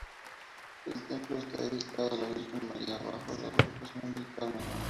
El templo está dedicado a la Virgen María bajo la advocación del Carmen.